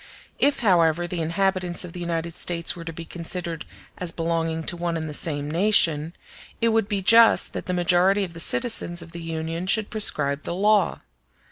If, however, the inhabitants of the United States were to be considered as belonging to one and the same nation, it would be just that the majority of the citizens of the Union should prescribe the law.